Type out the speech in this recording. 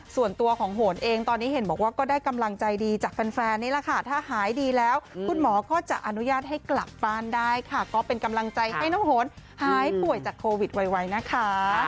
ส่วนตัวของโหนเองตอนนี้เห็นบอกว่าก็ได้กำลังใจดีจากแฟนนี่แหละค่ะถ้าหายดีแล้วคุณหมอก็จะอนุญาตให้กลับบ้านได้ค่ะก็เป็นกำลังใจให้น้องโหนหายป่วยจากโควิดไวนะคะ